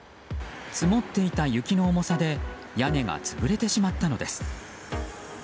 積もっていた雪の重さで屋根が潰れてしまったのです。